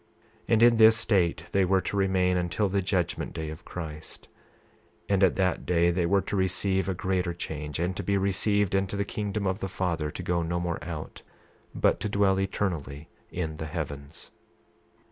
3 Nephi 28:40 And in this state they were to remain until the judgment day of Christ; and at that day they were to receive a greater change, and to be received into the kingdom of the Father to go no more out, but to dwell eternally in the heavens.